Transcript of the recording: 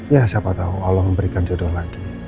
ya siapa tahu allah memberikan jodoh lagi